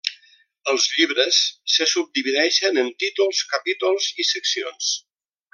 Els llibres se subdivideixen en títols, capítols i seccions.